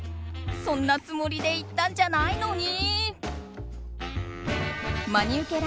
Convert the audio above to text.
そんなつもりで言ったんじゃないのに。